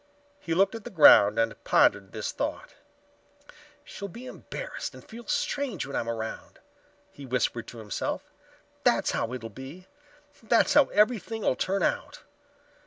He looked at the ground and pondered this thought. "She'll be embarrassed and feel strange when I'm around," he whispered to himself. "That's how it'll be. That's how everything'll turn out.